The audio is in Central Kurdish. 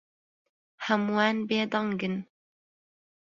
هەمووان بێدەنگن.